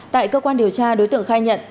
tại cơ quan điều tra đối tượng khai nhận